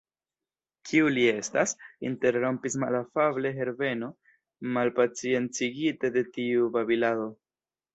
Kiu li estas? interrompis malafable Herbeno, malpaciencigite de tiu babilado.